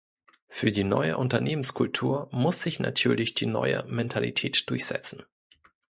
Für die neue Unternehmenskultur muss sich natürlich die neue Mentalität durchsetzen.